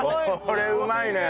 これうまいね。